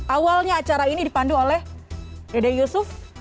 awalnya acara ini dipandu oleh dede yusuf